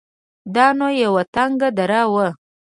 دا نو يوه تنگه دره وه.